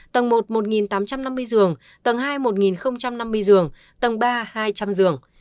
tầng một một tám trăm năm mươi giường tầng hai một năm mươi giường tầng ba hai trăm linh giường